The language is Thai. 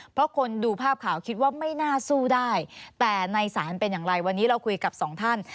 เพราะคนดูภาพข่าวคิดว่าไม่น่าสู้ได้แต่ในศาลเป็นอย่างไรวันนี้เราคุยกับสองท่าน